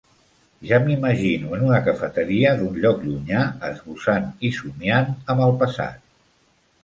Ja m'imagino en una cafeteria d'un lloc llunyà, esbossant i somiant amb el passat.